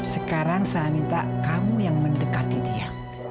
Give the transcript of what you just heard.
sekarang saya minta kamu yang mendekati dia